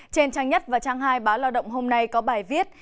trên trang nhất và trang hai báo lao động hôm nay có bài viết